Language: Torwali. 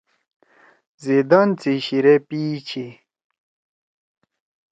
زیدان سی شیِرے پیِش چھی۔